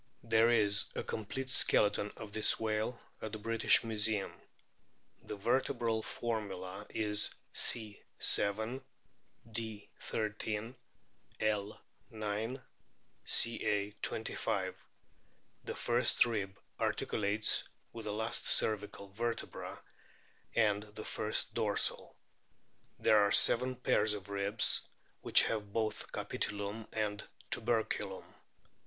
There is a complete skeleton of this whale at the British Museum. The vertebral formula is C. 7 ; D. 13; L. 9; Ca. 25. The first rib articulates with the last cervical vertebra and the first dorsal. There are seven pairs of ribs which have both capitulum and tuberculum.